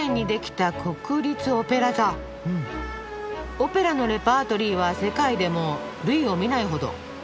オペラのレパートリーは世界でも類を見ないほど。